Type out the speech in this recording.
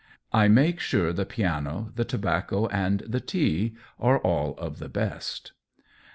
I make sure the piano, the tobacco, and the tea are all of the best.